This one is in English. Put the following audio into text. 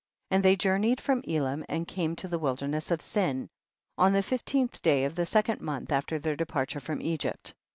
47. And they journeyed from Ehm and came to the wilderness of Sin, on the fifteenth day of the second month after their departure from Egypt.